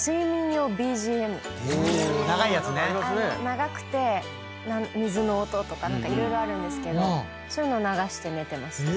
長くて水の音とか色々あるんですけどそういうのを流して寝てます。